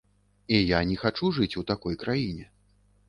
І я не хачу жыць у такой краіне.